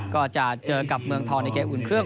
ก็จะเจอกับเมืองทองในเกมอุ่นเครื่อง